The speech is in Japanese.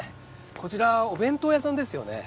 こちらお弁当屋さんですよね？